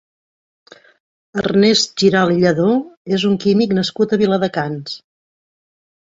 Ernest Giralt i Lledó és un químic nascut a Viladecans.